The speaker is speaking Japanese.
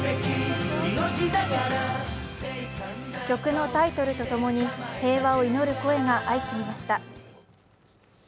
曲のタイトルと共に平和を祈る声が相次ぎました。